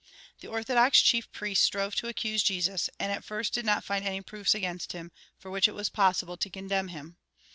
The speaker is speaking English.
The orthodox chief priests strove to accuse Jesus, and at first did not find any proofs against him for which it was possible to condemn him.